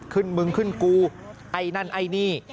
มึงขึ้นกูไอ้นั่นไอ้นี่